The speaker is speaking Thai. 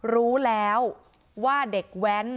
รู้แล้วว่าเด็กแว้น